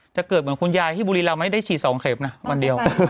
จะเกิดเหมือนคุณยายที่บุรีรำไม่ได้ฉีด๒เข็มนะวันเดียว